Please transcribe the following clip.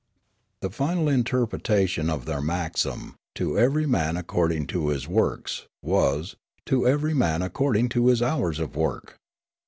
" The final interpretation of their maxim, ' To every man according to his works,' was ' To every man ac cording to his hours of work.'